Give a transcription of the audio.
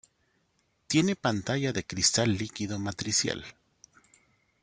Tiene pantalla de cristal líquido matricial.